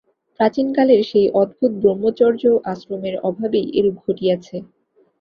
প্রাচীনকালের সেই অদ্ভুত ব্রহ্মচর্য-আশ্রমের অভাবেই এরূপ ঘটিয়াছে।